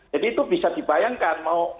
jadi itu bisa dibayangkan